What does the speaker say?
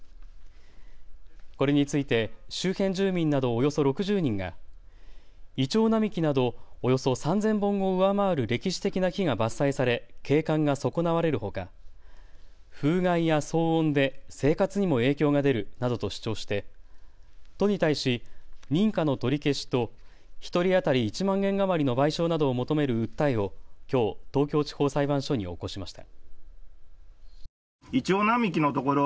これについて周辺住民などおよそ６０人がイチョウ並木などおよそ３０００本を上回る歴史的な木が伐採され景観が損なわれるほか風害や騒音で生活にも影響が出るなどと主張して、都に対し認可の取り消しと１人当たり１万円余りの賠償などを求める訴えをきょう、東京地方裁判所に起こしました。